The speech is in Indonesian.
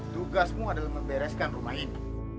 tugasmu adalah membereskan rumah ini